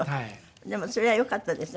でもそれはよかったですね。